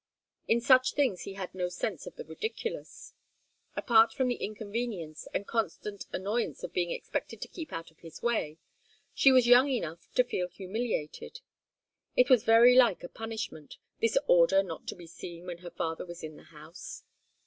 In such things he had no sense of the ridiculous. Apart from the inconvenience and constant annoyance of being expected to keep out of his way, she was young enough to feel humiliated. It was very like a punishment this order not to be seen when her father was in the house.